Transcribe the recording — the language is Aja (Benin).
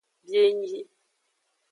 Bienyi.